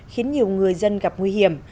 khiến nhiều người dân gặp nguy hiểm